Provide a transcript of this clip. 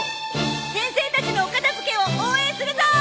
先生たちのお片づけを応援するぞー！